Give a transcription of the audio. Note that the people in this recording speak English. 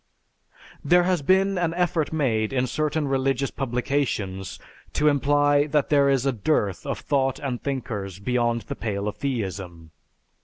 There has been an effort made in certain religious publications to imply that there is a dearth of thought and thinkers beyond the pale of theism.